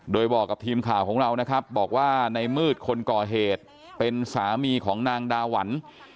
โดยบอกกับทีมข่าวของเรานะครับบอกว่าในมืดคนก่อเหตุเป็นสามีของนางดาหวัน